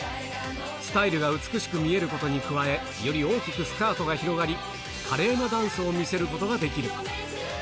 スタイルが美しく見えることに加え、より大きくスカートが広がり、華麗なダンスを見せることができる。